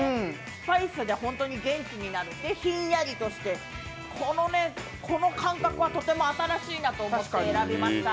スパイスで本当に元気になって、それでひんやりとして、この感覚はとても新しいなと思って選びました。